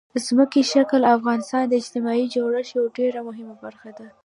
ځمکنی شکل د افغانستان د اجتماعي جوړښت یوه ډېره مهمه برخه ده.